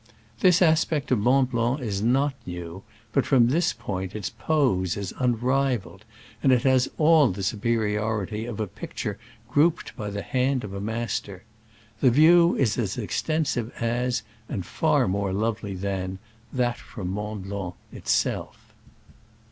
This aspect of Mont Blanc is not new, but from this point its pose is unrivaled, and it has all the superiority of a picture grouped by the hand of a master. ... The view is as extensive as, and far more lovely than, that from Mont Blanc itself.